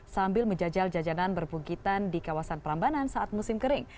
sambil menjajal jajanan berbukitan di kawasan perambanan saat musim kering